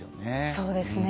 そうですね。